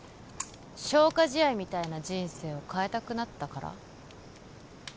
消化試合みたいな人生を変えたくなったから？